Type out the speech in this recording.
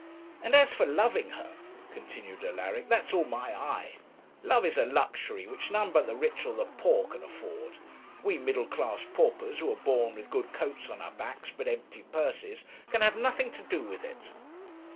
'And as for loving her,' continued Alaric, 'that's all my eye. Love is a luxury which none but the rich or the poor can afford. We middle class paupers, who are born with good coats on our backs, but empty purses, can have nothing to do with it.'